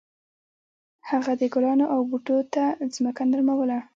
هغه د ګلانو او بوټو ته ځمکه نرموله.